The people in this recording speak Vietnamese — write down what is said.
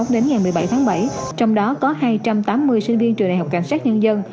đến ngày một mươi bảy tháng bảy trong đó có hai trăm tám mươi sinh viên trường đại học cảnh sát nhân dân